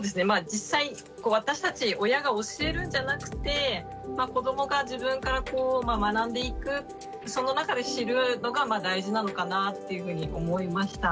実際私たち親が教えるんじゃなくて子どもが自分から学んでいくその中で知るのが大事なのかなっていうふうに思いました。